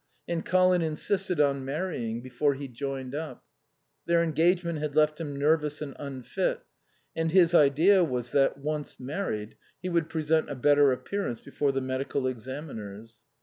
And Colin insisted on marrying before he joined up. Their engagement had left him nervous and unfit, and his idea was that, once married, he would present a better appearance before the medical examiners.